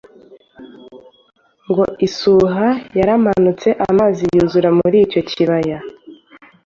ngo isuha yaramenetse, amazi yuzura muri icyo kibaya